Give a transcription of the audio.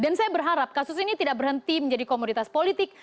dan saya berharap kasus ini tidak berhenti menjadi komunitas politik